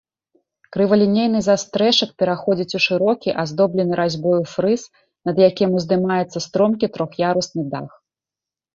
Крывалінейны застрэшак пераходзіць у шырокі, аздоблены разьбою фрыз, над якім уздымаецца стромкі трох'ярусны дах.